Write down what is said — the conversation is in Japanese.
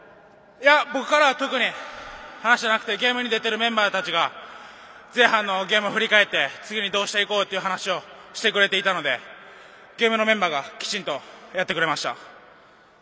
僕からは特に話していなくてゲームに出ているメンバーたちが前半のゲームを振り返って次にどうしていこうという話をしてくれていたのでゲームのメンバーがきちんとやってくれました。